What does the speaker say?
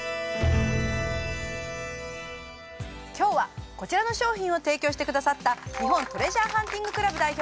今日はこちらの商品を提供してくださった日本トレジャーハンティング・クラブ代表